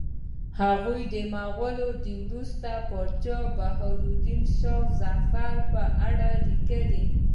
هغه د مغولو د وروستي پاچا بهادر شاه ظفر په اړه لیکي.